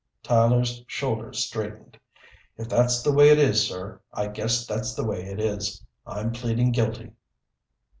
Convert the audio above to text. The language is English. Tyler's shoulders straightened. "If that's the way it is, sir, I guess that's the way it is. I'm pleading guilty."